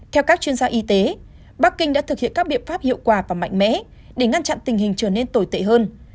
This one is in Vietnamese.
theo các chuyên gia y tế bắc kinh đã thực hiện các biện pháp hiệu quả và mạnh mẽ để ngăn chặn tình hình trở nên tồi tệ hơn